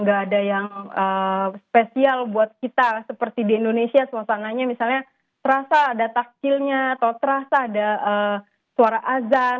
gak ada yang spesial buat kita seperti di indonesia suasananya misalnya terasa ada takjilnya atau terasa ada suara azan